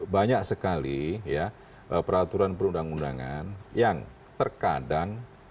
banyak sekali peraturan perundang undangan yang terkadang